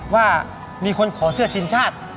ว่ามีคนขอเสื้อทีมชาติ